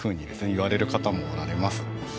言われる方もおられます